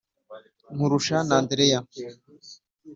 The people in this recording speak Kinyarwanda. nkurusha n'andreya,